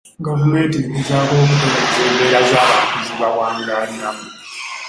Gavumenti egezaako okutereeza embeera z'abantu ze bawangaaliramu.